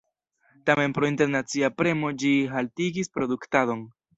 Tamen pro internacia premo ĝi haltigis produktadon.